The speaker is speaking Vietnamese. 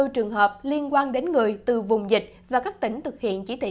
hai trăm sáu mươi bốn trường hợp liên quan đến người từ vùng dịch và các tỉnh thực hiện chỉ thị một mươi sáu